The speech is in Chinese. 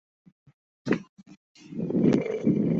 桐园草堂琴谱中国古琴谱。